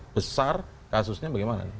besar kasusnya bagaimana